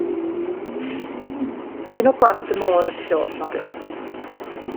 Un o blant y môr oedd Siôn Morys.